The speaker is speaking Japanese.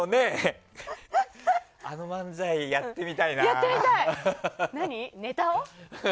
あの漫才、やってみたいな。